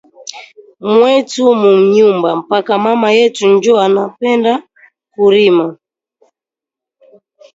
Mwetu mu nyumba paka mama yetu njo ana penda ku rima